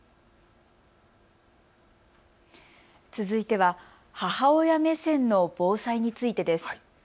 続いては母親目線の防災についてです。